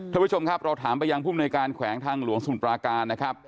ท่านผู้ชมครับเราถามไปยังภูมิในการแขวงทางหลวงสมุทรปราการนะครับ